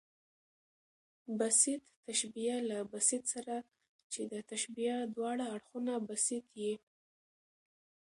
بسیط تشبیه له بسیط سره، چي د تشبیه د واړه اړخونه بسیط يي.